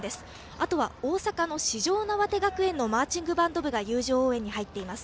あとは、大坂の四條畷学園のマーチングバンド部が友情応援に入っています。